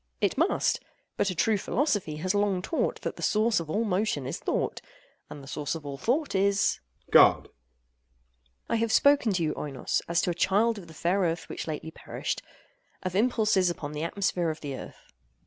It must: but a true philosophy has long taught that the source of all motion is thought—and the source of all thought is— OINOS. God. AGATHOS. I have spoken to you, Oinos, as to a child of the fair Earth which lately perished—of impulses upon the atmosphere of the Earth.